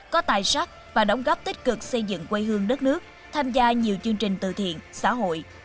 có tài sắc và đóng góp tích cực xây dựng quê hương đất nước tham gia nhiều chương trình từ thiện xã hội